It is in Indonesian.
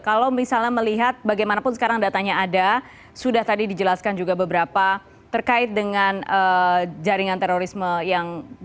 kalau misalnya melihat bagaimanapun sekarang datanya ada sudah tadi dijelaskan juga beberapa terkait dengan jaringan terorisme yang